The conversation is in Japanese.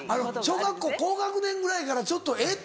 小学校高学年ぐらいからちょっとえっ？